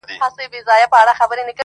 • بیا به خامخا یوه توره بلا وي,